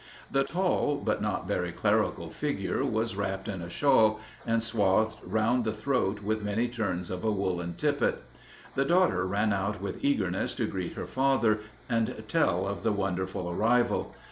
The tall but not very clerical figure was wrapped in a shawl and swathed round the throat with many turns of a woolen tippet. The daughter ran out with eagerness to greet her father and tell of the wonderful arrival.